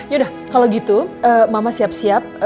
yaudah kalau gitu mama siap siap